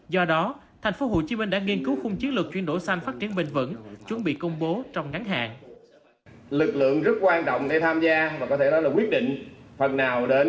do đó thành phố hồ chí minh đã nghiên cứu khung chiến lược chuyển đổi xanh phát triển bình vẩn